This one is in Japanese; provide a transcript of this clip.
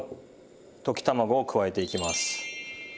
溶き卵を加えていきます。